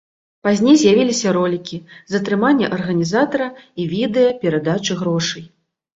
Пазней з'явіліся ролікі, затрымання арганізатара і відэа перадачы грошай.